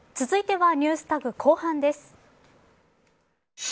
続いてはＮｅｗｓＴａｇ後半です。